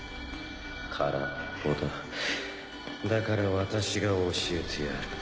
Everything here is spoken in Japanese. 空っぽだだから私が教えてやる。